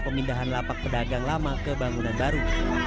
pemindahan lapak pedagang lama ke bangunan baru